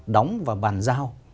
đóng và bàn giao